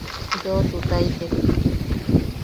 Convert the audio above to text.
Yoʼotutaitek.